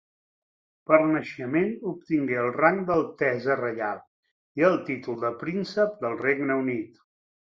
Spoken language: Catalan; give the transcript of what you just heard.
Per naixement obtingué el rang d'altesa reial i el títol de príncep del Regne Unit.